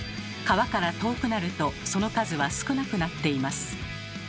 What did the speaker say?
皮から遠くなるとその数は少なくなっています。